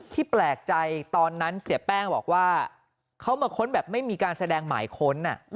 แปลกใจตอนนั้นเสียแป้งบอกว่าเขามาค้นแบบไม่มีการแสดงหมายค้น